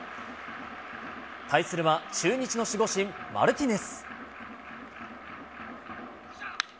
対するは中日の守護神、マルティネス。